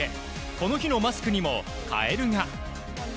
この日のマスクにもカエルが。